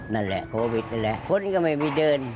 นั่นแหละโควิดนั่นแหละคนก็ไม่มีเดิน